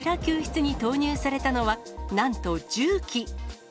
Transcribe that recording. そこで、クジラ救出に投入されたのは、なんと重機。